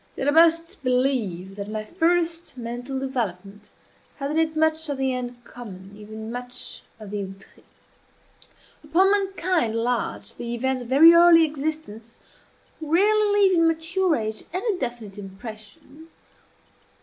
Yet I must believe that my first mental development had in it much of the uncommon even much of the outré. Upon mankind at large the events of very early existence rarely leave in mature age any definite impression.